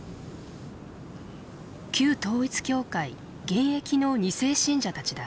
旧統一教会現役の２世信者たちだ。